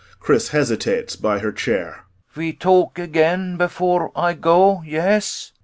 CHRIS hesitates by her chair.] Ve talk again before Ay go, yes?